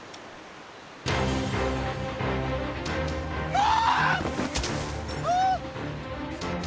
うわ。